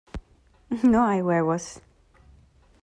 ¡ no hay huevos!